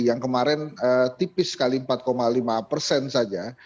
yang kemarin tipis sekali empat lima persen saja